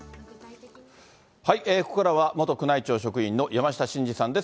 ここからは元宮内庁職員の山下晋司さんです。